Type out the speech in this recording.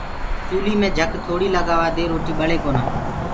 چوليٚ مي جھَڪ ٿوڙيٚ لگآوآدي روٽيٚ ٻݪي ڪونآ